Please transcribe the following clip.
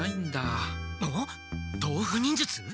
あ豆腐忍術？